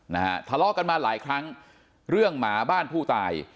นะฮะทะเลาะกันมาหลายครั้งเรื่องหมาบ้านผู้ตาย